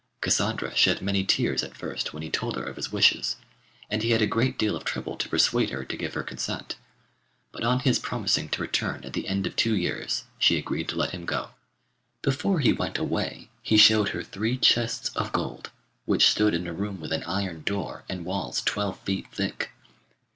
Cassandra shed many tears at first when he told her of his wishes, and he had a great deal of trouble to persuade her to give her consent. But on his promising to return at the end of two years she agreed to let him go. Before he went away he showed her three chests of gold, which stood in a room with an iron door, and walls twelve feet thick.